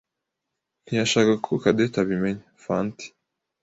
ntiyashakaga ko Cadette abimenya. (fanty)